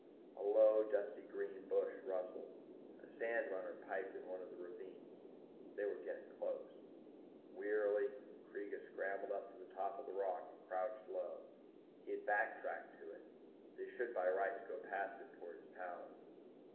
_ A low, dusty green bush rustled. A sandrunner piped in one of the ravines. They were getting close. Wearily, Kreega scrambled up on top of the rock and crouched low. He had backtracked to it; they should by rights go past him toward his tower.